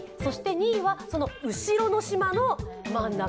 ２位はその後ろの島の真ん中。